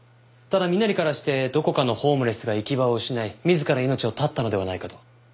ただ身なりからしてどこかのホームレスが行き場を失い自ら命を絶ったのではないかと。